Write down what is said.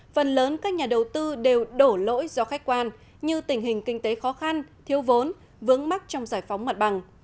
phần lớn các nhà đầu tư đều đổ lỗi do khách quan như tình hình kinh tế khó khăn thiếu vốn vướng mắc trong giải phóng mặt bằng